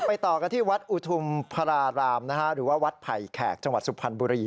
ต่อกันที่วัดอุทุมพรารามหรือว่าวัดไผ่แขกจังหวัดสุพรรณบุรี